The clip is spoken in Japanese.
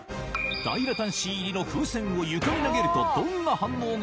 ダイラタンシー入りの風船を床に投げるとどんな反応が？